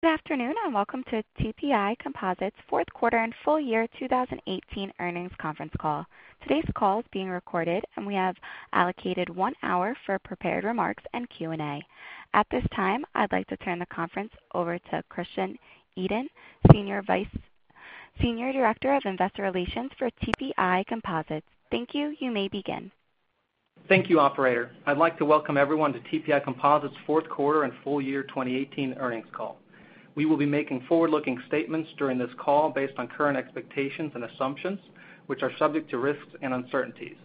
Good afternoon, welcome to TPI Composites' fourth quarter and full year 2018 earnings conference call. Today's call is being recorded, we have allocated one hour for prepared remarks and Q&A. At this time, I'd like to turn the conference over to Christian Edin, Senior Director of Investor Relations for TPI Composites. Thank you. You may begin. Thank you, operator. I'd like to welcome everyone to TPI Composites' fourth quarter and full year 2018 earnings call. We will be making forward-looking statements during this call based on current expectations and assumptions, which are subject to risks and uncertainties.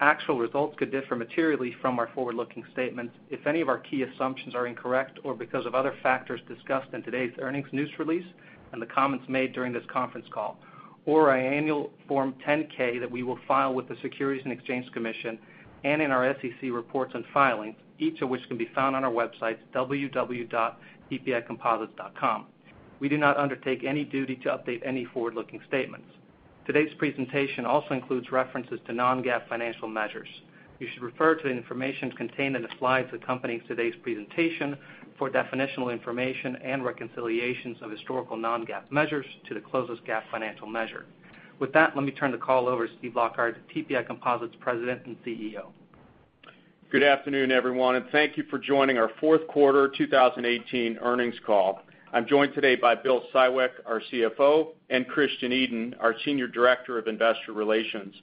Actual results could differ materially from our forward-looking statements if any of our key assumptions are incorrect or because of other factors discussed in today's earnings news release and the comments made during this conference call, or our annual Form 10-K that we will file with the Securities and Exchange Commission and in our SEC reports on filings, each of which can be found on our website, www.tpicomposites.com. We do not undertake any duty to update any forward-looking statements. Today's presentation also includes references to non-GAAP financial measures. You should refer to the information contained in the slides accompanying today's presentation for definitional information and reconciliations of historical non-GAAP measures to the closest GAAP financial measure. With that, let me turn the call over to Steven Lockard, TPI Composites President and CEO. Good afternoon, everyone, thank you for joining our fourth quarter 2018 earnings call. I'm joined today by Bill Siwek, our CFO, Christian Edin, our Senior Director of Investor Relations.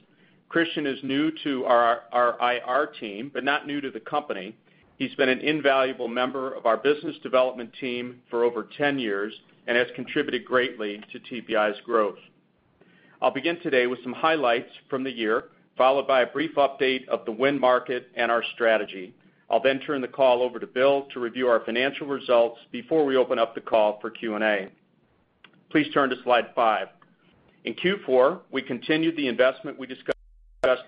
Christian is new to our IR team, but not new to the company. He's been an invaluable member of our business development team for over 10 years and has contributed greatly to TPI's growth. I'll begin today with some highlights from the year, followed by a brief update of the wind market and our strategy. I'll turn the call over to Bill to review our financial results before we open up the call for Q&A. Please turn to slide five. In Q4, we continued the investment we discussed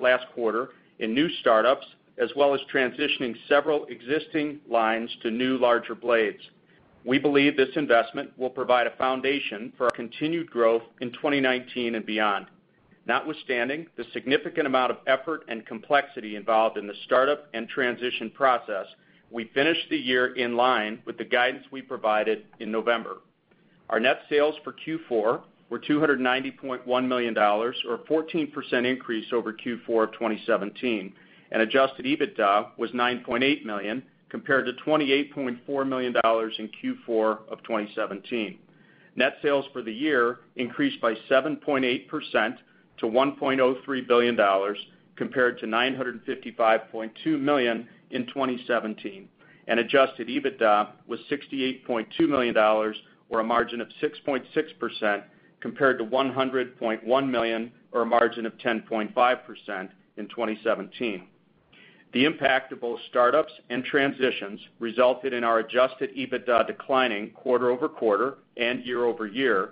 last quarter in new startups, as well as transitioning several existing lines to new, larger blades. We believe this investment will provide a foundation for our continued growth in 2019 and beyond. Notwithstanding the significant amount of effort and complexity involved in the startup and transition process, we finished the year in line with the guidance we provided in November. Our net sales for Q4 were $290.1 million, or a 14% increase over Q4 of 2017, and adjusted EBITDA was $9.8 million, compared to $28.4 million in Q4 of 2017. Net sales for the year increased by 7.8% to $1.03 billion, compared to $955.2 million in 2017, and adjusted EBITDA was $68.2 million, or a margin of 6.6%, compared to $100.1 million, or a margin of 10.5%, in 2017. The impact of both startups and transitions resulted in our adjusted EBITDA declining quarter-over-quarter and year-over-year,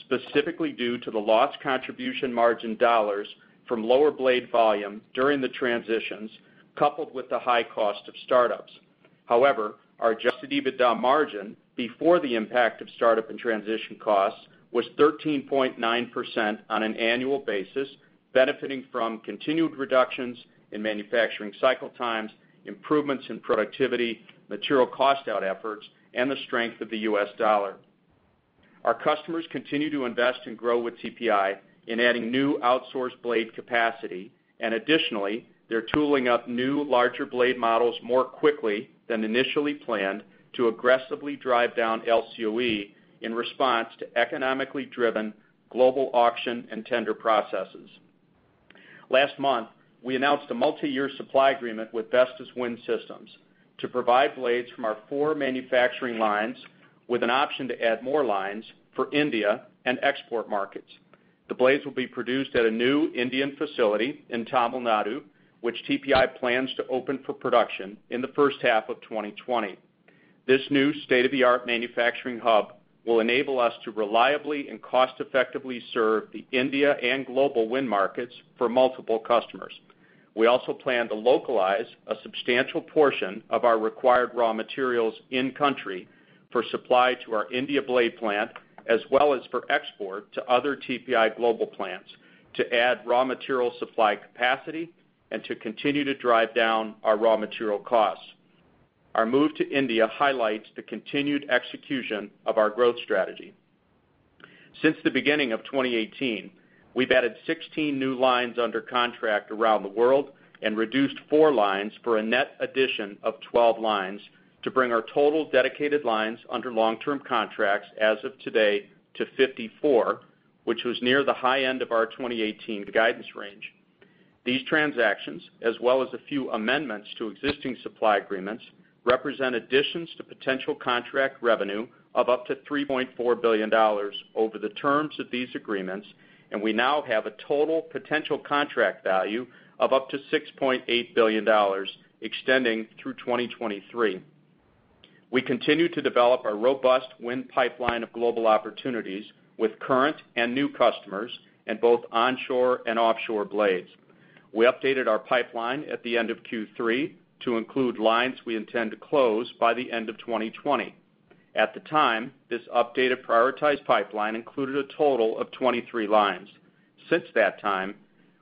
specifically due to the lost contribution margin dollars from lower blade volume during the transitions, coupled with the high cost of startups. However, our adjusted EBITDA margin, before the impact of startup and transition costs, was 13.9% on an annual basis, benefiting from continued reductions in manufacturing cycle times, improvements in productivity, material cost out efforts, and the strength of the U.S. dollar. Our customers continue to invest and grow with TPI in adding new outsourced blade capacity, additionally, they're tooling up new, larger blade models more quickly than initially planned to aggressively drive down LCOE in response to economically driven global auction and tender processes. Last month, we announced a multi-year supply agreement with Vestas Wind Systems to provide blades from our four manufacturing lines with an option to add more lines for India and export markets. The blades will be produced at a new Indian facility in Tamil Nadu, which TPI plans to open for production in the first half of 2020. This new state-of-the-art manufacturing hub will enable us to reliably and cost-effectively serve the India and global wind markets for multiple customers. We also plan to localize a substantial portion of our required raw materials in-country for supply to our India blade plant, as well as for export to other TPI global plants to add raw material supply capacity and to continue to drive down our raw material costs. Our move to India highlights the continued execution of our growth strategy. Since the beginning of 2018, we've added 16 new lines under contract around the world and reduced four lines for a net addition of 12 lines to bring our total dedicated lines under long-term contracts as of today to 54, which was near the high end of our 2018 guidance range. These transactions, as well as a few amendments to existing supply agreements, represent additions to potential contract revenue of up to $3.4 billion over the terms of these agreements, we now have a total potential contract value of up to $6.8 billion extending through 2023. We continue to develop a robust wind pipeline of global opportunities with current and new customers in both onshore and offshore blades. We updated our pipeline at the end of Q3 to include lines we intend to close by the end of 2020. At the time, this updated prioritized pipeline included a total of 23 lines. Since that time,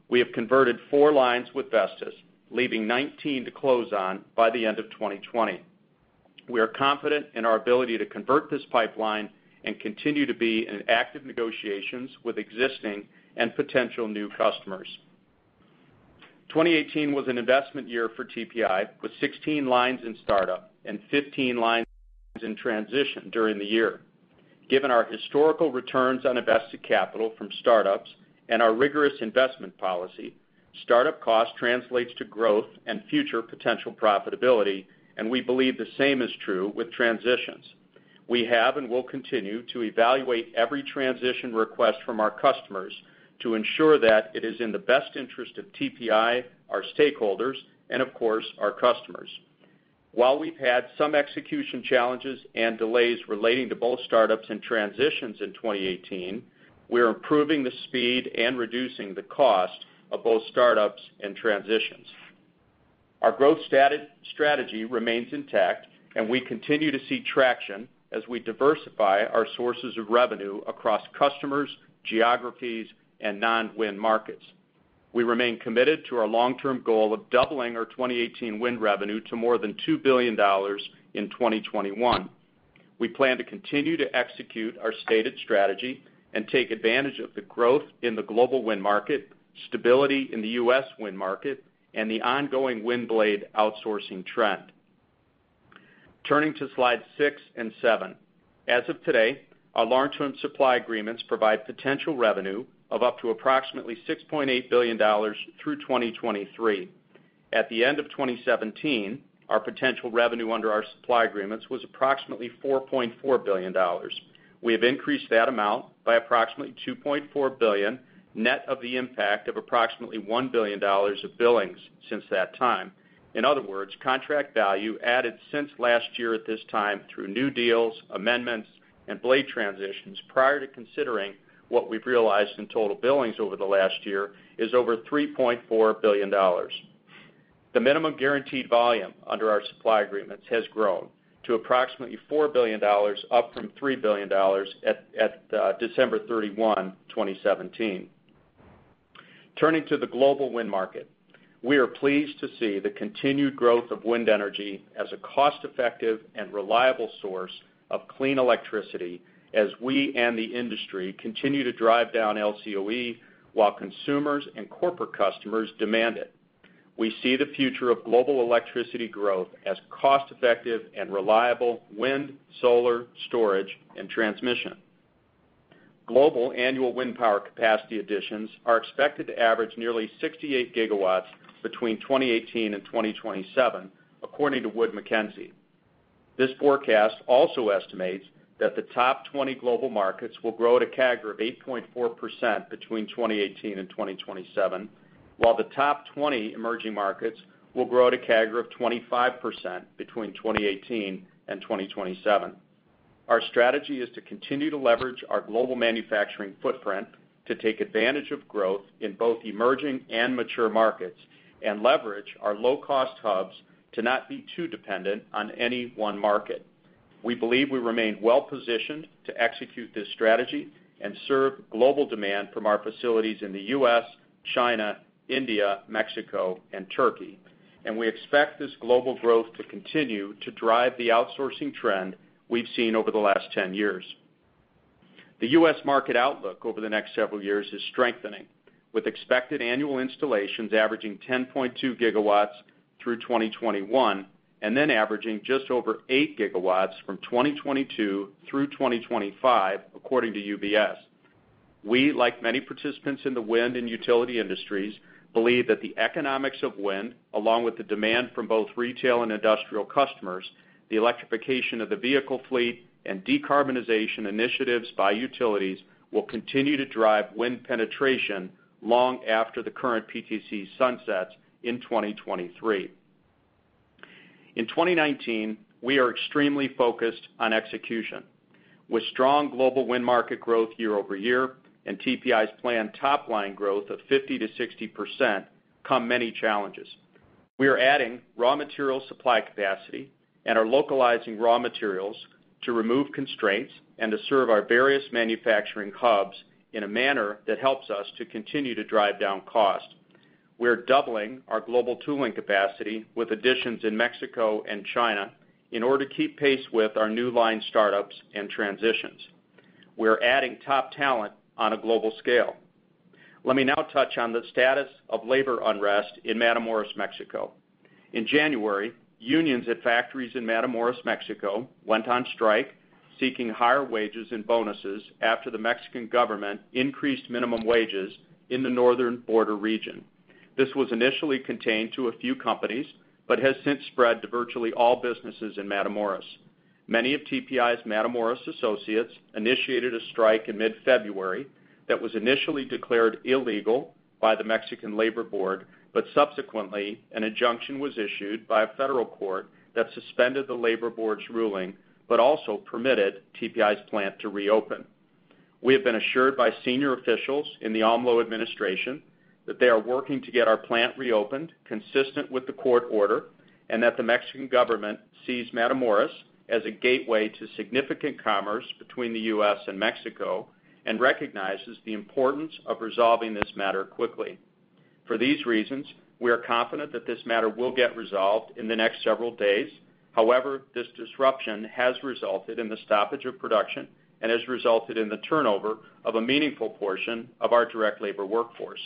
we have converted four lines with Vestas, leaving 19 to close on by the end of 2020. We are confident in our ability to convert this pipeline and continue to be in active negotiations with existing and potential new customers. 2018 was an investment year for TPI, with 16 lines in startup and 15 lines in transition during the year. Given our historical returns on invested capital from startups and our rigorous investment policy, startup cost translates to growth and future potential profitability, and we believe the same is true with transitions. We have and will continue to evaluate every transition request from our customers to ensure that it is in the best interest of TPI, our stakeholders, and of course, our customers. While we've had some execution challenges and delays relating to both startups and transitions in 2018, we're improving the speed and reducing the cost of both startups and transitions. Our growth strategy remains intact, and we continue to see traction as we diversify our sources of revenue across customers, geographies, and non-wind markets. We remain committed to our long-term goal of doubling our 2018 wind revenue to more than $2 billion in 2021. We plan to continue to execute our stated strategy and take advantage of the growth in the global wind market, stability in the U.S. wind market, and the ongoing wind blade outsourcing trend. Turning to slides six and seven. As of today, our long-term supply agreements provide potential revenue of up to approximately $6.8 billion through 2023. At the end of 2017, our potential revenue under our supply agreements was approximately $4.4 billion. We have increased that amount by approximately $2.4 billion, net of the impact of approximately $1 billion of billings since that time. In other words, contract value added since last year at this time through new deals, amendments, and blade transitions prior to considering what we've realized in total billings over the last year is over $3.4 billion. The minimum guaranteed volume under our supply agreements has grown to approximately $4 billion, up from $3 billion at December 31, 2017. Turning to the global wind market. We are pleased to see the continued growth of wind energy as a cost-effective and reliable source of clean electricity as we and the industry continue to drive down LCOE while consumers and corporate customers demand it. We see the future of global electricity growth as cost-effective and reliable wind, solar, storage, and transmission. Global annual wind power capacity additions are expected to average nearly 68 GW between 2018 and 2027, according to Wood Mackenzie. This forecast also estimates that the top 20 global markets will grow at a CAGR of 8.4% between 2018 and 2027, while the top 20 emerging markets will grow at a CAGR of 25% between 2018 and 2027. Our strategy is to continue to leverage our global manufacturing footprint to take advantage of growth in both emerging and mature markets and leverage our low-cost hubs to not be too dependent on any one market. We believe we remain well-positioned to execute this strategy and serve global demand from our facilities in the U.S., China, India, Mexico, and Turkey, and we expect this global growth to continue to drive the outsourcing trend we've seen over the last 10 years. The U.S. market outlook over the next several years is strengthening, with expected annual installations averaging 10.2 GW through 2021, then averaging just over 8 GW from 2022 through 2025, according to UBS. We, like many participants in the wind and utility industries, believe that the economics of wind, along with the demand from both retail and industrial customers, the electrification of the vehicle fleet, and decarbonization initiatives by utilities, will continue to drive wind penetration long after the current PTC sunsets in 2023. In 2019, we are extremely focused on execution. With strong global wind market growth year-over-year and TPI's planned top-line growth of 50%-60% come many challenges. We are adding raw material supply capacity and are localizing raw materials to remove constraints and to serve our various manufacturing hubs in a manner that helps us to continue to drive down cost. We're doubling our global tooling capacity with additions in Mexico and China in order to keep pace with our new line startups and transitions. We're adding top talent on a global scale. Let me now touch on the status of labor unrest in Matamoros, Mexico. In January, unions at factories in Matamoros, Mexico, went on strike, seeking higher wages and bonuses after the Mexican government increased minimum wages in the northern border region. This was initially contained to a few companies, but has since spread to virtually all businesses in Matamoros. Many of TPI's Matamoros associates initiated a strike in mid-February that was initially declared illegal by the Mexican Labor Board, but subsequently, an injunction was issued by a federal court that suspended the Labor Board's ruling, but also permitted TPI's plant to reopen. We have been assured by senior officials in the AMLO administration that they are working to get our plant reopened consistent with the court order. That the Mexican government sees Matamoros as a gateway to significant commerce between the U.S. and Mexico, and recognizes the importance of resolving this matter quickly. For these reasons, we are confident that this matter will get resolved in the next several days. However, this disruption has resulted in the stoppage of production and has resulted in the turnover of a meaningful portion of our direct labor workforce.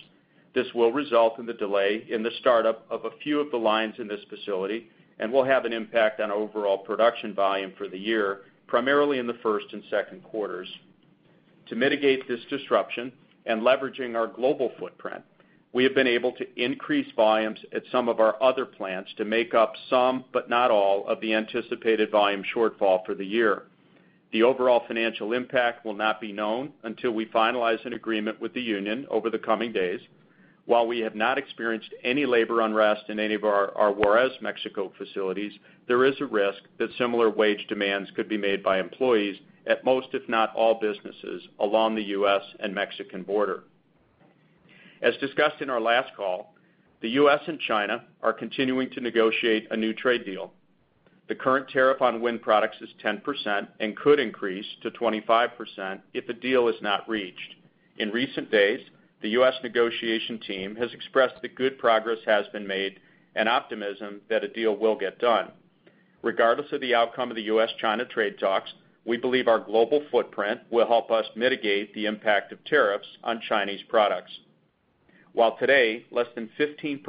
This will result in the delay in the startup of a few of the lines in this facility and will have an impact on overall production volume for the year, primarily in the first and second quarters. To mitigate this disruption and leveraging our global footprint, we have been able to increase volumes at some of our other plants to make up some, but not all, of the anticipated volume shortfall for the year. The overall financial impact will not be known until we finalize an agreement with the union over the coming days. While we have not experienced any labor unrest in any of our Juarez, Mexico facilities, there is a risk that similar wage demands could be made by employees at most, if not all, businesses along the U.S. and Mexican border. As discussed in our last call, the U.S. and China are continuing to negotiate a new trade deal. The current tariff on wind products is 10% and could increase to 25% if a deal is not reached. In recent days, the U.S. negotiation team has expressed that good progress has been made and optimism that a deal will get done. Regardless of the outcome of the U.S.-China trade talks, we believe our global footprint will help us mitigate the impact of tariffs on Chinese products. While today, less than 15%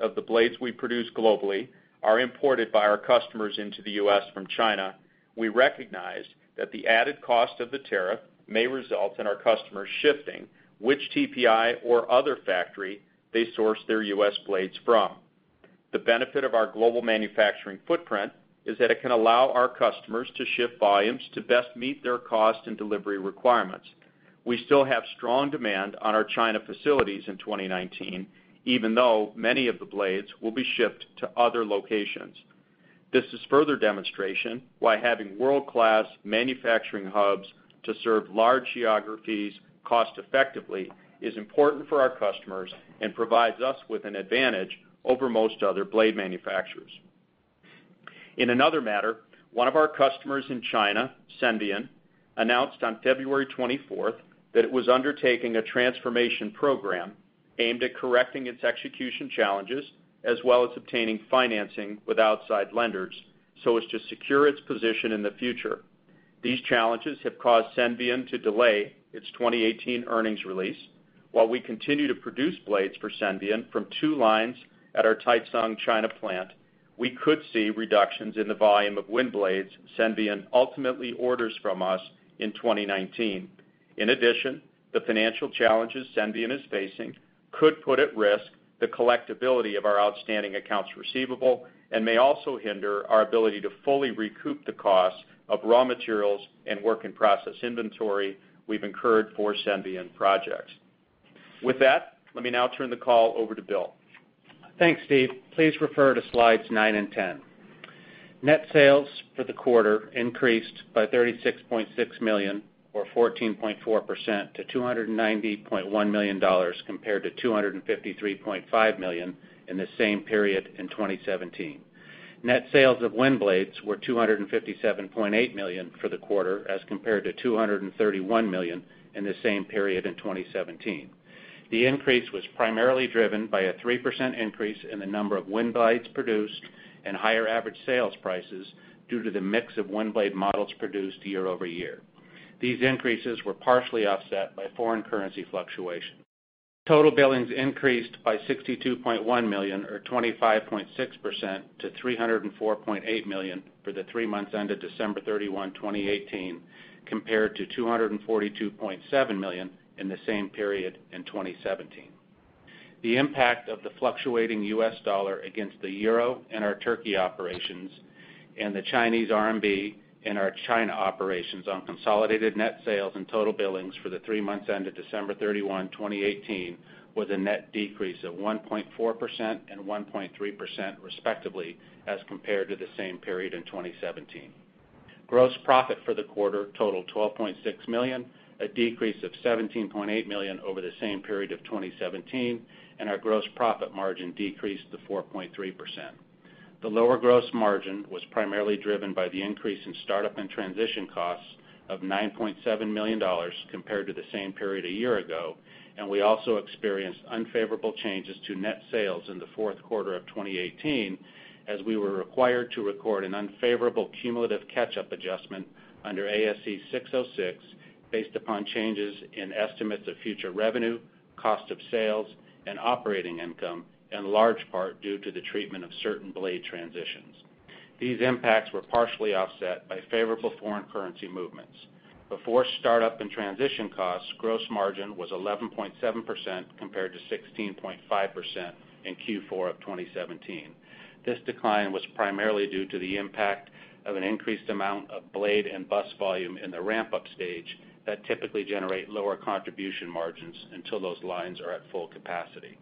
of the blades we produce globally are imported by our customers into the U.S. from China, we recognize that the added cost of the tariff may result in our customers shifting which TPI or other factory they source their U.S. blades from. The benefit of our global manufacturing footprint is that it can allow our customers to ship volumes to best meet their cost and delivery requirements. We still have strong demand on our China facilities in 2019, even though many of the blades will be shipped to other locations. This is further demonstration why having world-class manufacturing hubs to serve large geographies cost effectively is important for our customers and provides us with an advantage over most other blade manufacturers. In another matter, one of our customers in China, Senvion, announced on February 24th that it was undertaking a transformation program aimed at correcting its execution challenges, as well as obtaining financing with outside lenders, so as to secure its position in the future. These challenges have caused Senvion to delay its 2018 earnings release. While we continue to produce blades for Senvion from two lines at our Taicang, China plant, we could see reductions in the volume of wind blades Senvion ultimately orders from us in 2019. In addition, the financial challenges Senvion is facing could put at risk the collectibility of our outstanding accounts receivable and may also hinder our ability to fully recoup the cost of raw materials and work in process inventory we've incurred for Senvion projects. With that, let me now turn the call over to Bill. Thanks, Steve. Please refer to slides nine and 10. Net sales for the quarter increased by $36.6 million or 14.4% to $290.1 million compared to $253.5 million in the same period in 2017. Net sales of wind blades were $257.8 million for the quarter, as compared to $231 million in the same period in 2017. The increase was primarily driven by a 3% increase in the number of wind blades produced and higher average sales prices due to the mix of wind blade models produced year-over-year. These increases were partially offset by foreign currency fluctuation. Total billings increased by $62.1 million or 25.6% to $304.8 million for the three months ended December 31, 2018, compared to $242.7 million in the same period in 2017. The impact of the fluctuating U.S. dollar against the euro in our Turkey operations and the Chinese RMB in our China operations on consolidated net sales and total billings for the three months ended December 31, 2018, was a net decrease of 1.4% and 1.3%, respectively, as compared to the same period in 2017. Gross profit for the quarter totaled $12.6 million, a decrease of $17.8 million over the same period of 2017, and our gross profit margin decreased to 4.3%. The lower gross margin was primarily driven by the increase in start-up and transition costs of $9.7 million compared to the same period a year ago, and we also experienced unfavorable changes to net sales in the fourth quarter of 2018, as we were required to record an unfavorable cumulative catch-up adjustment under ASC 606, based upon changes in estimates of future revenue, cost of sales, and operating income, in large part due to the treatment of certain blade transitions. These impacts were partially offset by favorable foreign currency movements. Before start-up and transition costs, gross margin was 11.7% compared to 16.5% in Q4 of 2017. This decline was primarily due to the impact of an increased amount of blade and bus volume in the ramp-up stage that typically generate lower contribution margins until those lines are at full capacity.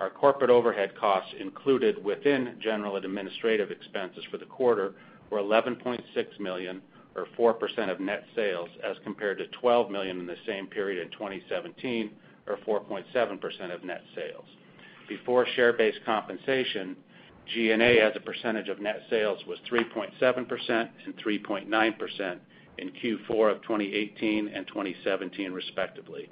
Our corporate overhead costs included within general and administrative expenses for the quarter were $11.6 million or 4% of net sales, as compared to $12 million in the same period in 2017 or 4.7% of net sales. Before share-based compensation, G&A as a percentage of net sales was 3.7% and 3.9% in Q4 of 2018 and 2017, respectively.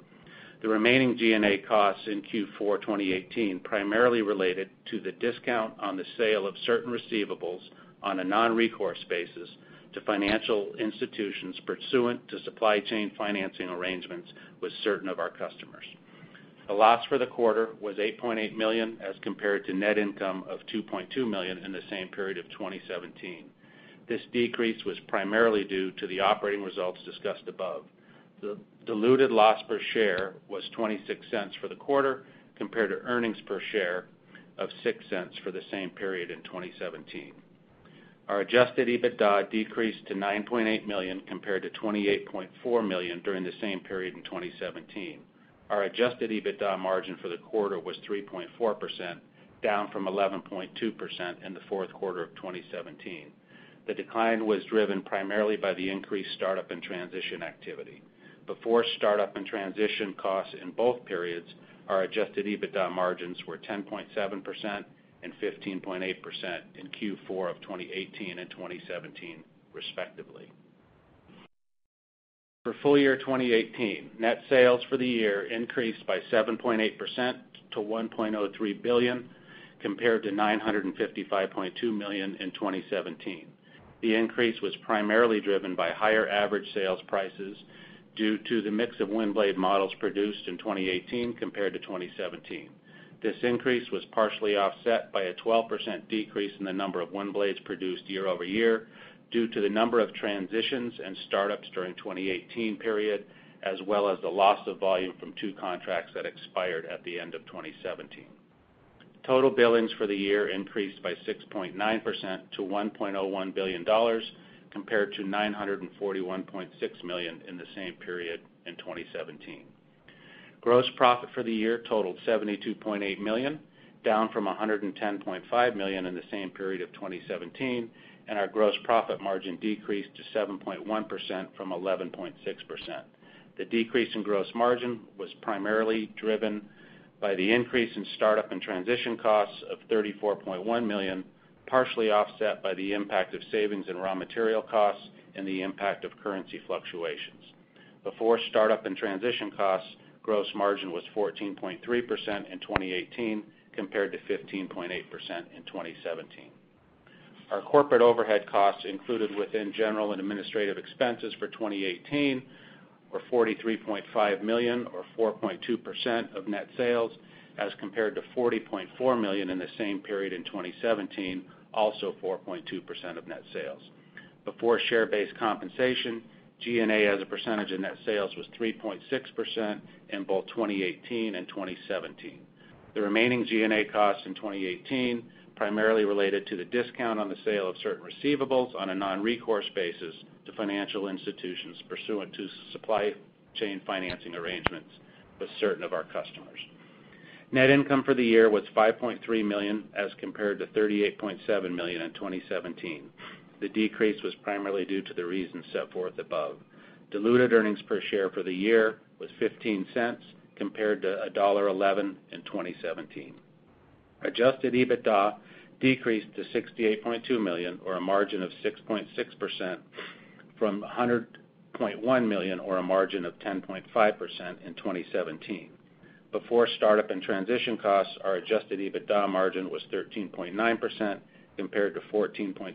The remaining G&A costs in Q4 2018 primarily related to the discount on the sale of certain receivables on a non-recourse basis to financial institutions pursuant to supply chain financing arrangements with certain of our customers. The loss for the quarter was $8.8 million, as compared to net income of $2.2 million in the same period of 2017. This decrease was primarily due to the operating results discussed above. The diluted loss per share was $0.26 for the quarter, compared to earnings per share of $0.06 for the same period in 2017. Our adjusted EBITDA decreased to $9.8 million, compared to $28.4 million during the same period in 2017. Our adjusted EBITDA margin for the quarter was 3.4%, down from 11.2% in the fourth quarter of 2017. The decline was driven primarily by the increased start-up and transition activity. Before start-up and transition costs in both periods, our adjusted EBITDA margins were 10.7% and 15.8% in Q4 of 2018 and 2017, respectively. For full year 2018, net sales for the year increased by 7.8% to $1.03 billion, compared to $955.2 million in 2017. The increase was primarily driven by higher average sales prices due to the mix of wind blade models produced in 2018 compared to 2017. This increase was partially offset by a 12% decrease in the number of wind blades produced year-over-year, due to the number of transitions and start-ups during 2018 period, as well as the loss of volume from two contracts that expired at the end of 2017. Total billings for the year increased by 6.9% to $1.01 billion, compared to $941.6 million in the same period in 2017. Gross profit for the year totaled $72.8 million, down from $110.5 million in the same period of 2017, and our gross profit margin decreased to 7.1% from 11.6%. The decrease in gross margin was primarily driven by the increase in start-up and transition costs of $34.1 million, partially offset by the impact of savings in raw material costs and the impact of currency fluctuations. Before start-up and transition costs, gross margin was 14.3% in 2018 compared to 15.8% in 2017. Our corporate overhead costs included within general and administrative expenses for 2018 were $43.5 million or 4.2% of net sales as compared to $40.4 million in the same period in 2017, also 4.2% of net sales. Before share-based compensation, G&A as a percentage of net sales was 3.6% in both 2018 and 2017. The remaining G&A costs in 2018 primarily related to the discount on the sale of certain receivables on a non-recourse basis to financial institutions pursuant to supply chain financing arrangements with certain of our customers. Net income for the year was $5.3 million, as compared to $38.7 million in 2017. The decrease was primarily due to the reasons set forth above. Diluted earnings per share for the year was $0.15, compared to $1.11 in 2017. Adjusted EBITDA decreased to $68.2 million or a margin of 6.6%, from $100.1 million or a margin of 10.5% in 2017. Before start-up and transition costs are adjusted, EBITDA margin was 13.9%, compared to 14.7% in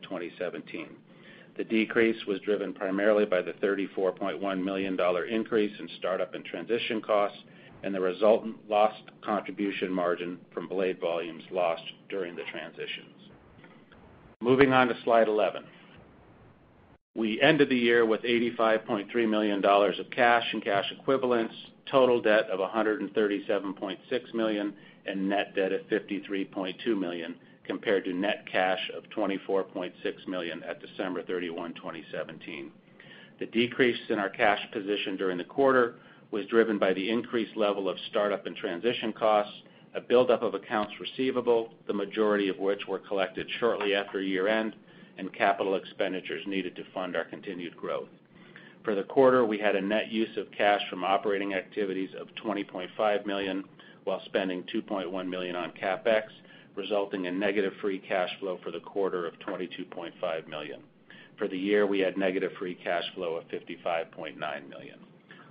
2017. The decrease was driven primarily by the $34.1 million increase in start-up and transition costs and the resultant lost contribution margin from blade volumes lost during the transitions. Moving on to slide 11. We ended the year with $85.3 million of cash and cash equivalents, total debt of $137.6 million and net debt at $53.2 million, compared to net cash of $24.6 million at December 31, 2017. The decrease in our cash position during the quarter was driven by the increased level of start-up and transition costs, a buildup of accounts receivable, the majority of which were collected shortly after year-end, and capital expenditures needed to fund our continued growth. For the quarter, we had a net use of cash from operating activities of $20.5 million while spending $2.1 million on CapEx, resulting in negative free cash flow for the quarter of $22.5 million. For the year, we had negative free cash flow of $55.9 million.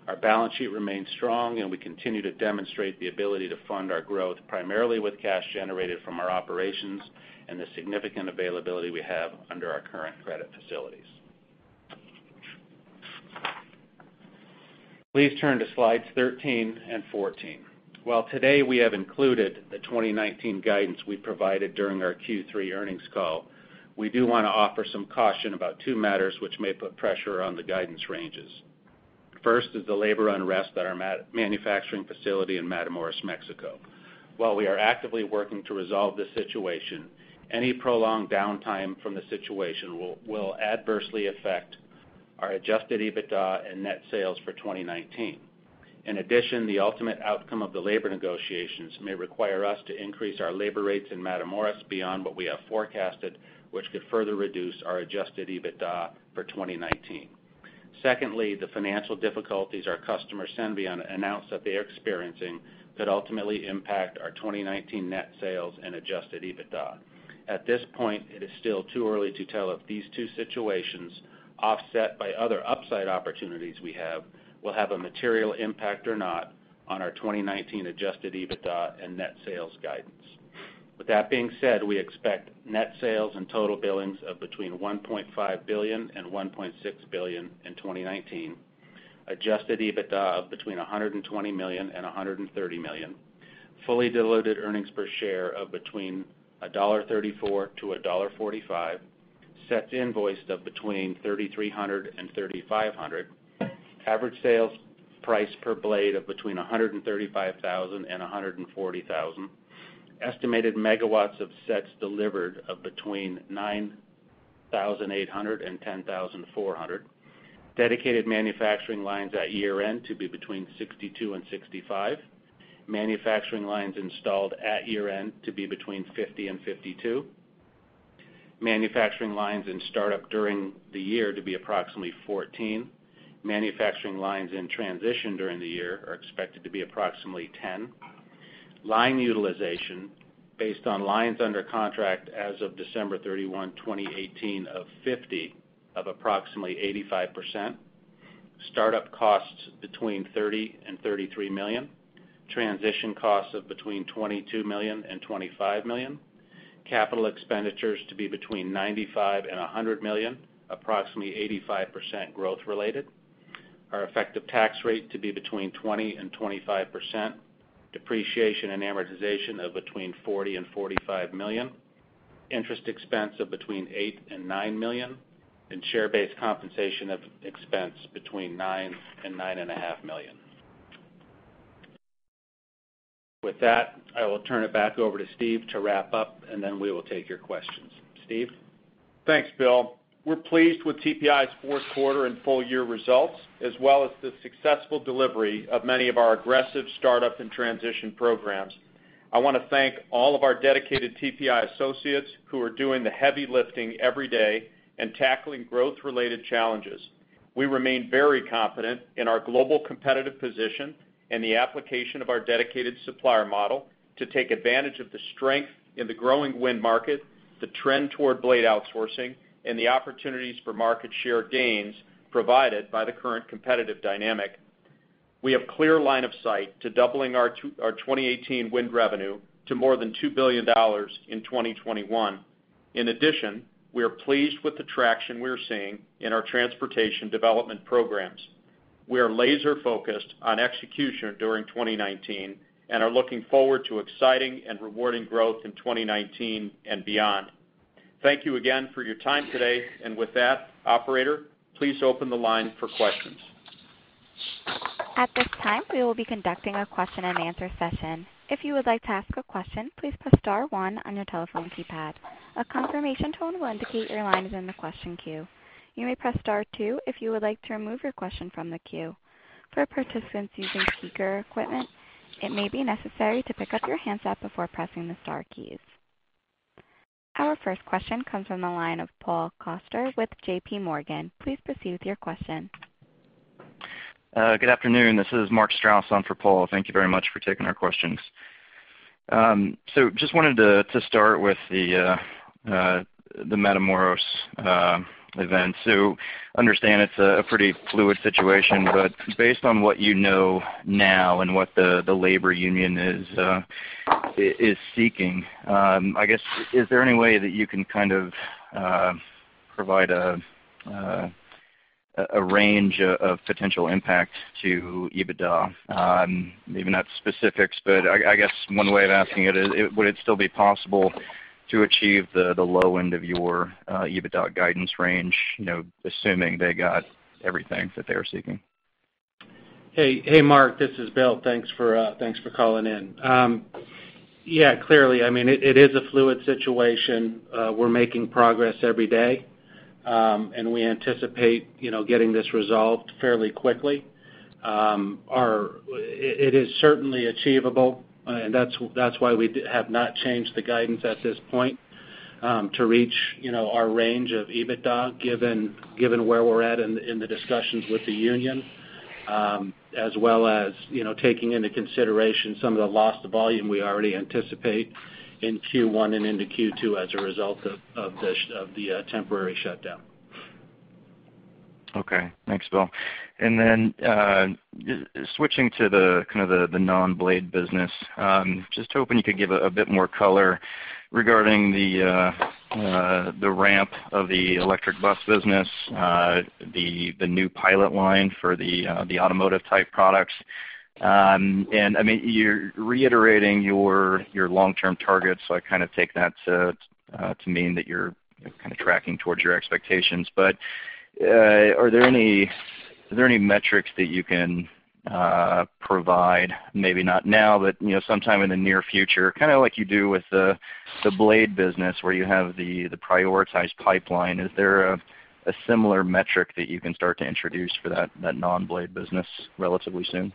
Our balance sheet remains strong and we continue to demonstrate the ability to fund our growth primarily with cash generated from our operations and the significant availability we have under our current credit facilities. Please turn to slides 13 and 14. While today we have included the 2019 guidance we provided during our Q3 earnings call, we do want to offer some caution about two matters which may put pressure on the guidance ranges. First is the labor unrest at our manufacturing facility in Matamoros, Mexico. While we are actively working to resolve this situation, any prolonged downtime from the situation will adversely affect our adjusted EBITDA and net sales for 2019. In addition, the ultimate outcome of the labor negotiations may require us to increase our labor rates in Matamoros beyond what we have forecasted, which could further reduce our adjusted EBITDA for 2019. Secondly, the financial difficulties our customer, Senvion, announced that they're experiencing could ultimately impact our 2019 net sales and adjusted EBITDA. At this point, it is still too early to tell if these two situations, offset by other upside opportunities we have, will have a material impact or not on our 2019 adjusted EBITDA and net sales guidance. With that being said, we expect net sales and total billings of between $1.5 billion and $1.6 billion in 2019, adjusted EBITDA of between $120 million and $130 million, fully diluted earnings per share of between $1.34-$1.45, sets invoiced of between 3,300 and 3,500, average sales price per blade of between $135,000 and $140,000, estimated megawatts of sets delivered of between 9,800 and 10,400, dedicated manufacturing lines at year-end to be between 62 and 65, manufacturing lines installed at year-end to be between 50 and 52, manufacturing lines in start-up during the year to be approximately 14. Manufacturing lines in transition during the year are expected to be approximately 10, line utilization based on lines under contract as of December 31, 2018 of 50 of approximately 85%, startup costs between $30 million and $33 million, transition costs of between $22 million and $25 million, capital expenditures to be between $95 million and $100 million, approximately 85% growth related, our effective tax rate to be between 20% and 25%, depreciation and amortization of between $40 million and $45 million, interest expense of between $8 million and $9 million, and share-based compensation of expense between $9 million and $9.5 million. With that, I will turn it back over to Steve to wrap up, and then we will take your questions. Steve? Thanks, Bill. We're pleased with TPI's fourth quarter and full year results, as well as the successful delivery of many of our aggressive startup and transition programs. I want to thank all of our dedicated TPI associates who are doing the heavy lifting every day and tackling growth-related challenges. We remain very confident in our global competitive position and the application of our dedicated supplier model to take advantage of the strength in the growing wind market, the trend toward blade outsourcing, and the opportunities for market share gains provided by the current competitive dynamic. We have clear line of sight to doubling our 2018 wind revenue to more than $2 billion in 2021. In addition, we are pleased with the traction we're seeing in our transportation development programs. We are laser-focused on execution during 2019 and are looking forward to exciting and rewarding growth in 2019 and beyond. Thank you again for your time today. With that, operator, please open the line for questions. At this time, we will be conducting a question and answer session. If you would like to ask a question, please press star one on your telephone keypad. A confirmation tone will indicate your line is in the question queue. You may press star two if you would like to remove your question from the queue. For participants using speaker equipment, it may be necessary to pick up your handset before pressing the star keys. Our first question comes from the line of Paul Coster with JPMorgan. Please proceed with your question. Good afternoon. This is Mark Strouse on for Paul. Thank you very much for taking our questions. Just wanted to start with the Matamoros event. Understand it's a pretty fluid situation, but based on what you know now and what the labor union is seeking, is there any way that you can kind of provide a range of potential impact to EBITDA? Maybe not specifics, but one way of asking it, would it still be possible to achieve the low end of your EBITDA guidance range, assuming they got everything that they were seeking? Hey, Mark, this is Bill. Thanks for calling in. Yeah, clearly, it is a fluid situation. We're making progress every day, and we anticipate getting this resolved fairly quickly. It is certainly achievable, and that's why we have not changed the guidance at this point, to reach our range of EBITDA, given where we're at in the discussions with the union, as well as taking into consideration some of the lost volume we already anticipate in Q1 and into Q2 as a result of the temporary shutdown. Okay. Thanks, Bill. Switching to the non-blade business, just hoping you could give a bit more color regarding the ramp of the electric bus business, the new pilot line for the automotive-type products. You're reiterating your long-term targets, so I kind of take that to mean that you're kind of tracking towards your expectations. Are there any metrics that you can provide, maybe not now, but sometime in the near future, kind of like you do with the blade business where you have the prioritized pipeline? Is there a similar metric that you can start to introduce for that non-blade business relatively soon?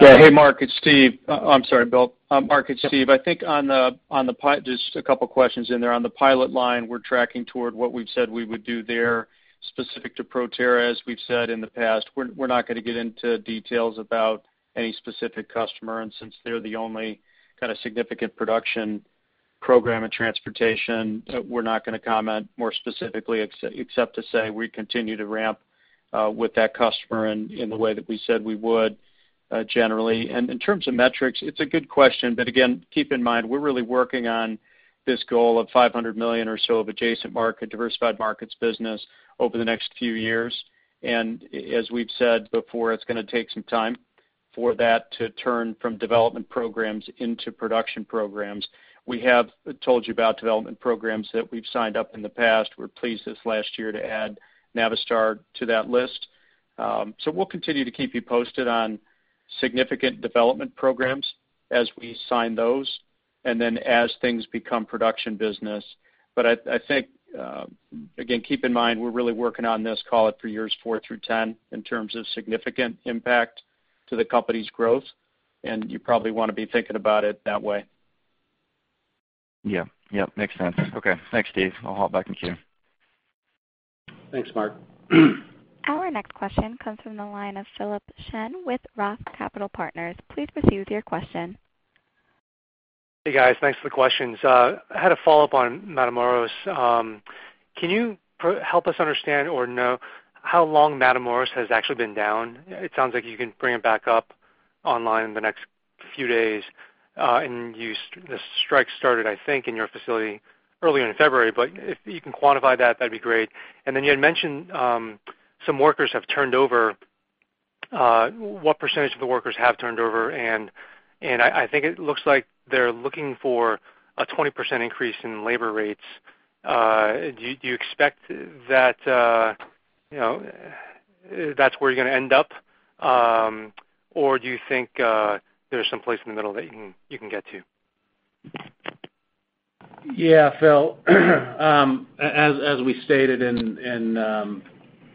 Yeah. Hey, Mark Strouse, it's Steven. I'm sorry, Bill. Mark Strouse, it's Steven. Just a couple of questions in there. On the pilot line, we're tracking toward what we've said we would do there. Specific to Proterra, as we've said in the past, we're not going to get into details about any specific customer, and since they're the only kind of significant production program in transportation, we're not going to comment more specifically except to say we continue to ramp with that customer in the way that we said we would, generally. In terms of metrics, it's a good question, but again, keep in mind, we're really working on this goal of $500 million or so of adjacent market, diversified markets business over the next few years. As we've said before, it's going to take some time for that to turn from development programs into production programs. We have told you about development programs that we've signed up in the past. We're pleased this last year to add Navistar to that list. We'll continue to keep you posted on significant development programs as we sign those, and then as things become production business. I think, again, keep in mind, we're really working on this, call it for years four through 10 in terms of significant impact to the company's growth, and you probably want to be thinking about it that way. Yeah. Makes sense. Okay. Thanks, Steven. I'll hop back in queue. Thanks, Mark. Our next question comes from the line of Philip Shen with ROTH Capital Partners. Please proceed with your question. Hey, guys. Thanks for the questions. I had a follow-up on Matamoros. Can you help us understand or know how long Matamoros has actually been down? It sounds like you can bring it back up online in the next few days. The strike started, I think, in your facility early in February, if you can quantify that'd be great. You had mentioned some workers have turned over. What percentage of the workers have turned over? I think it looks like they're looking for a 20% increase in labor rates. Do you expect that's where you're going to end up? Do you think there's some place in the middle that you can get to? Yeah, Phil. As we stated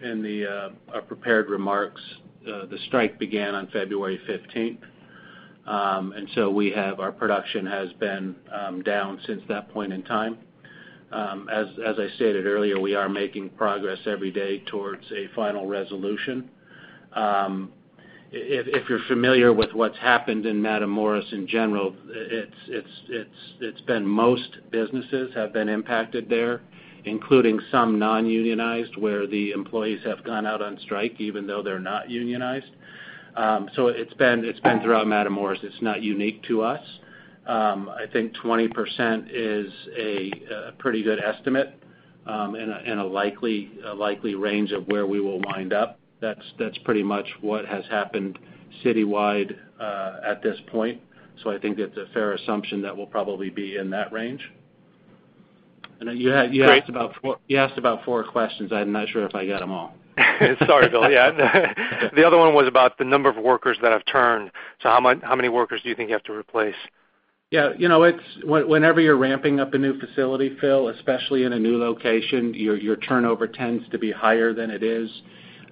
in our prepared remarks, the strike began on February 15th, our production has been down since that point in time. As I stated earlier, we are making progress every day towards a final resolution. If you're familiar with what's happened in Matamoros in general, it's been most businesses have been impacted there, including some non-unionized, where the employees have gone out on strike even though they're not unionized. It's been throughout Matamoros. It's not unique to us. I think 20% is a pretty good estimate, and a likely range of where we will wind up. That's pretty much what has happened citywide at this point. I think that's a fair assumption that we'll probably be in that range. I know you asked about four questions. I'm not sure if I got them all. Sorry, Bill. Yeah. The other one was about the number of workers that have turned. How many workers do you think you have to replace? Yeah. Whenever you're ramping up a new facility, Philip, especially in a new location, your turnover tends to be higher than it is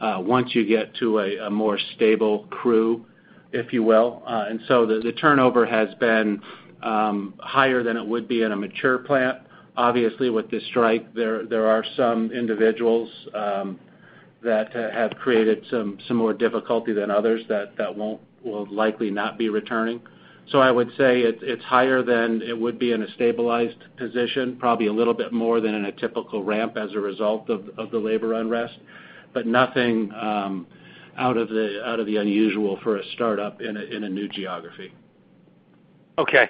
once you get to a more stable crew, if you will. The turnover has been higher than it would be in a mature plant. Obviously, with this strike, there are some individuals that have created some more difficulty than others that will likely not be returning. I would say it's higher than it would be in a stabilized position, probably a little bit more than in a typical ramp as a result of the labor unrest, but nothing out of the unusual for a startup in a new geography. Okay.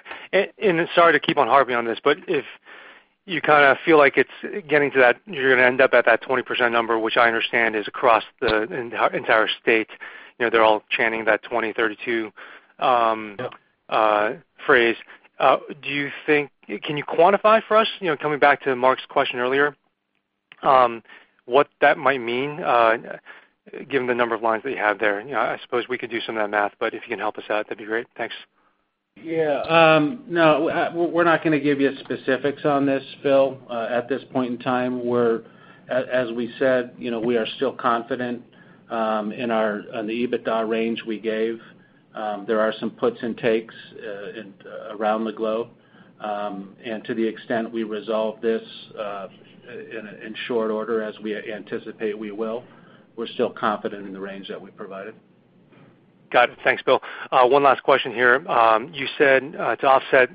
Sorry to keep on harping on this, if you feel like you're going to end up at that 20% number, which I understand is across the entire state, they're all chanting that 20/32 phrase. Can you quantify for us, coming back to Mark's question earlier, what that might mean, given the number of lines that you have there? I suppose we could do some of that math, but if you can help us out, that'd be great. Thanks. Yeah. No, we're not going to give you specifics on this, Philip, at this point in time, where, as we said, we are still confident in the EBITDA range we gave. There are some puts and takes around the globe. To the extent we resolve this in short order as we anticipate we will, we're still confident in the range that we provided. Got it. Thanks, Bill. One last question here. You said to offset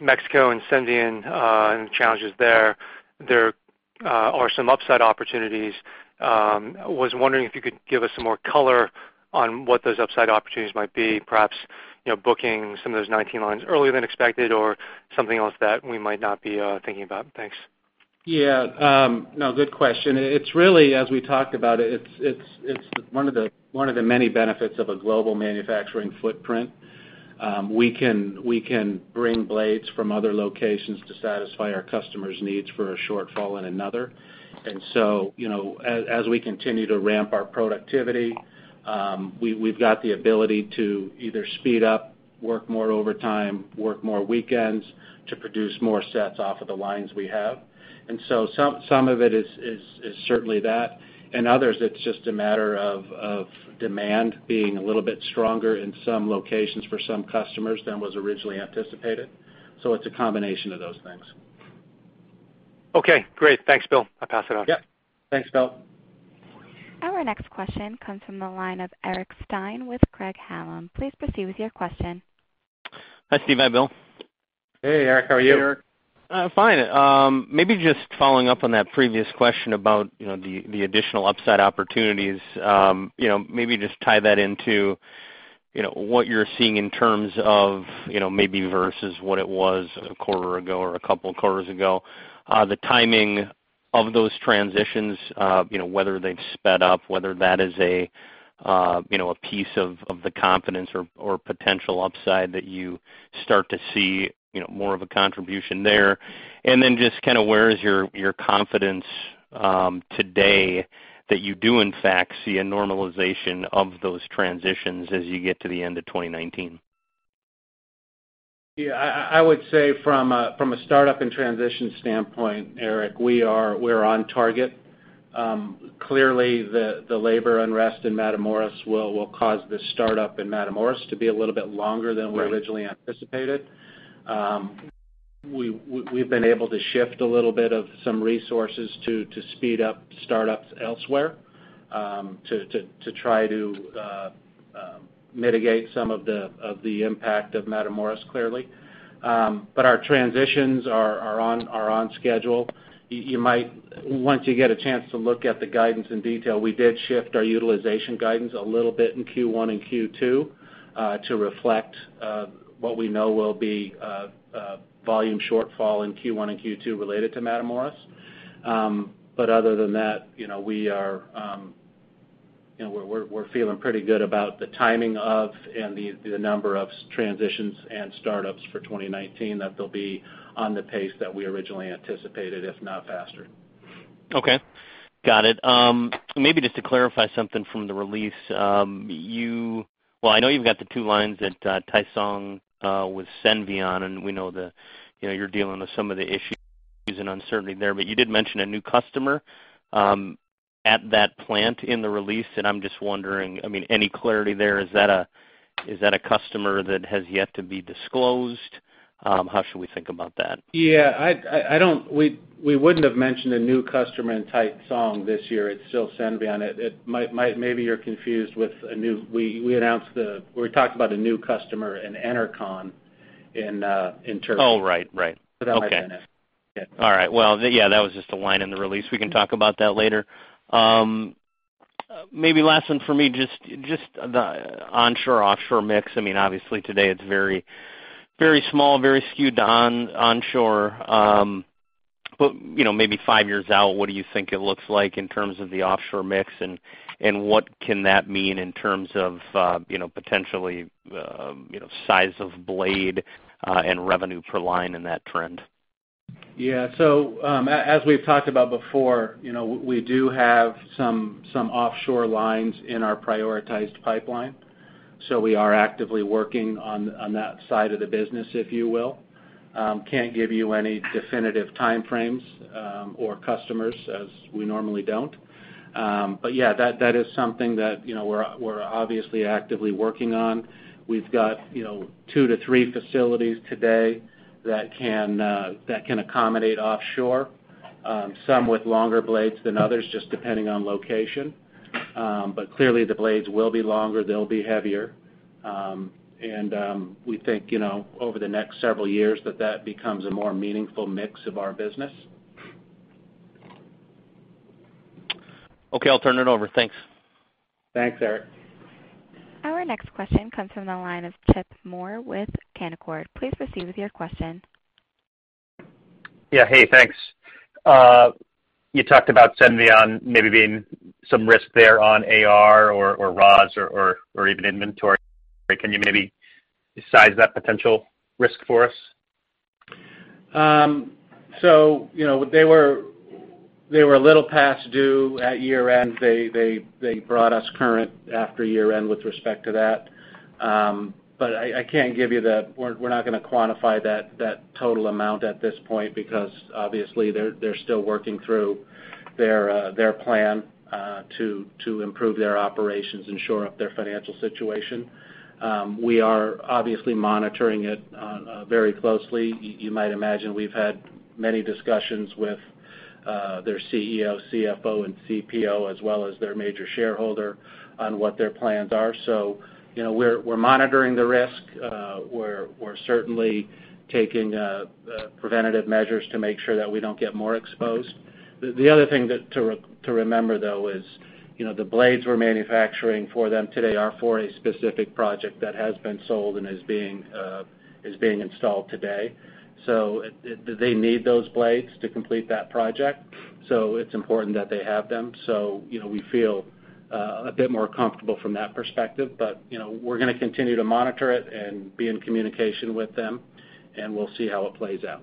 Mexico and Senvion and the challenges there are some upside opportunities. I was wondering if you could give us some more color on what those upside opportunities might be, perhaps booking some of those 19 lines earlier than expected or something else that we might not be thinking about. Thanks. Yeah. No, good question. It's really, as we talked about it's one of the many benefits of a global manufacturing footprint. We can bring blades from other locations to satisfy our customers' needs for a shortfall in another. As we continue to ramp our productivity, we've got the ability to either speed up Work more overtime, work more weekends to produce more sets off of the lines we have. Some of it is certainly that. In others, it's just a matter of demand being a little bit stronger in some locations for some customers than was originally anticipated. It's a combination of those things. Okay, great. Thanks, Bill. I'll pass it on. Yep. Thanks, Phil. Our next question comes from the line of Eric Stine with Craig-Hallum. Please proceed with your question. Hi, Steven. Hi, Bill. Hey, Eric. How are you? Hey, Eric. I'm fine. Maybe just following up on that previous question about the additional upside opportunities. Maybe just tie that into what you're seeing in terms of maybe versus what it was a quarter ago or a couple of quarters ago, the timing of those transitions, whether they've sped up, whether that is a piece of the confidence or potential upside that you start to see more of a contribution there. Where is your confidence today that you do in fact see a normalization of those transitions as you get to the end of 2019? Yeah. I would say from a startup and transition standpoint, Eric, we're on target. Clearly, the labor unrest in Matamoros will cause the startup in Matamoros to be a little bit longer than we originally anticipated. We've been able to shift a little bit of some resources to speed up startups elsewhere, to try to mitigate some of the impact of Matamoros, clearly. Our transitions are on schedule. Once you get a chance to look at the guidance in detail, we did shift our utilization guidance a little bit in Q1 and Q2, to reflect what we know will be a volume shortfall in Q1 and Q2 related to Matamoros. Other than that, we're feeling pretty good about the timing of and the number of transitions and startups for 2019, that they'll be on the pace that we originally anticipated, if not faster. Okay. Got it. Maybe just to clarify something from the release. Well, I know you've got the two lines at Taicang with Senvion. We know that you're dealing with some of the issues and uncertainty there. You did mention a new customer at that plant in the release. I'm just wondering, any clarity there? Is that a customer that has yet to be disclosed? How should we think about that? Yeah. We wouldn't have mentioned a new customer in Taicang this year. It's still Senvion. Maybe you're confused. We talked about a new customer in Enercon in Turkey. Oh, right. That might be that. Okay. All right. Yeah, that was just a line in the release. We can talk about that later. Maybe last one for me, just the onshore-offshore mix. Obviously, today it's very small, very skewed to onshore. Maybe five years out, what do you think it looks like in terms of the offshore mix, and what can that mean in terms of potentially size of blade and revenue per line in that trend? As we've talked about before, we do have some offshore lines in our prioritized pipeline. We are actively working on that side of the business, if you will. Can't give you any definitive time frames or customers, as we normally don't. That is something that we're obviously actively working on. We've got two to three facilities today that can accommodate offshore. Some with longer blades than others, just depending on location. Clearly the blades will be longer, they'll be heavier. We think over the next several years that that becomes a more meaningful mix of our business. I'll turn it over. Thanks. Thanks, Eric. Our next question comes from the line of Chip Moore with Canaccord. Please proceed with your question. Yeah. Hey, thanks. You talked about Senvion maybe being some risk there on AR or raws or even inventory. Can you maybe size that potential risk for us? They were a little past due at year-end. They brought us current after year-end with respect to that. We're not going to quantify that total amount at this point, because obviously they're still working through their plan to improve their operations and shore up their financial situation. We are obviously monitoring it very closely. You might imagine we've had many discussions with their CEO, CFO, and CPO, as well as their major shareholder on what their plans are. We're monitoring the risk. We're certainly taking preventative measures to make sure that we don't get more exposed. The other thing to remember, though, is the blades we're manufacturing for them today are for a specific project that has been sold and is being installed today. They need those blades to complete that project. It's important that they have them. We feel a bit more comfortable from that perspective. We're going to continue to monitor it and be in communication with them, and we'll see how it plays out.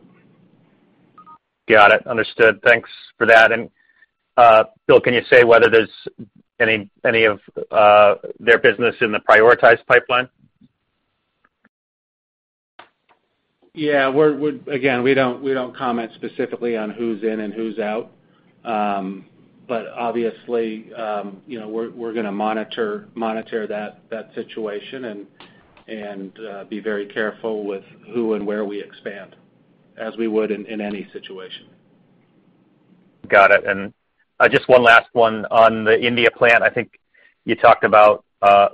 Got it. Understood. Thanks for that. Bill, can you say whether there's any of their business in the prioritized pipeline? Yeah. Again, we don't comment specifically on who's in and who's out. Obviously, we're going to monitor that situation and be very careful with who and where we expand, as we would in any situation. Got it. Just one last one on the India plant. I think you talked about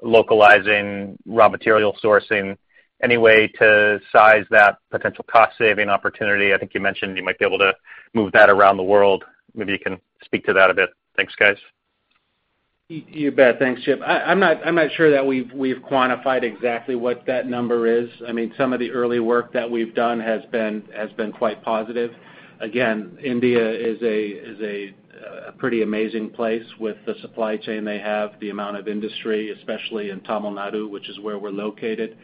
localizing raw material sourcing. Any way to size that potential cost-saving opportunity? I think you mentioned you might be able to move that around the world. Maybe you can speak to that a bit. Thanks, guys. You bet. Thanks, Chip. I'm not sure that we've quantified exactly what that number is. Some of the early work that we've done has been quite positive. Again, India is a pretty amazing place with the supply chain they have, the amount of industry, especially in Tamil Nadu, which is where we're located.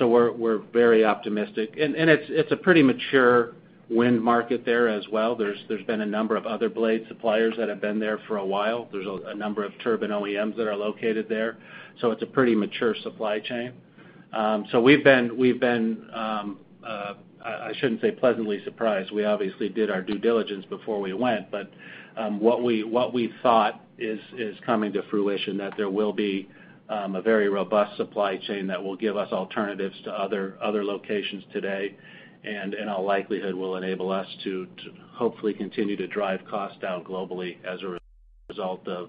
We're very optimistic. It's a pretty mature wind market there as well. There's been a number of other blade suppliers that have been there for a while. There's a number of turbine OEMs that are located there. It's a pretty mature supply chain. We've been, I shouldn't say pleasantly surprised, we obviously did our due diligence before we went, what we thought is coming to fruition, that there will be a very robust supply chain that will give us alternatives to other locations today, in all likelihood, will enable us to hopefully continue to drive cost down globally as a result of